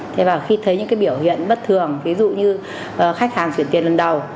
thế và khi thấy những cái biểu hiện bất thường ví dụ như khách hàng chuyển tiền lần đầu